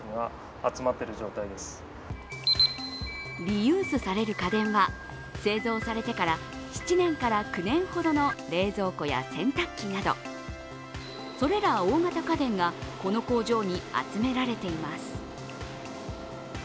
リユースされる家電は製造されてから７年から９年ほどの冷蔵庫や洗濯機など、それら大型家電がこの工場に集められています。